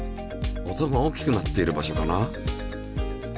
音が大きくなっている場所かな？